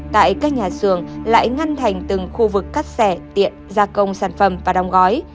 tại các nhà xưởng lại ngăn thành từng khu vực cắt xẻ tiện gia công sản phẩm và đóng gói